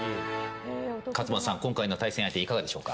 勝俣さん、今回の対戦相手いかがでしょうか。